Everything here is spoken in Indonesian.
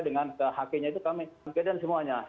dengan hakinya itu kami mengajarkan semuanya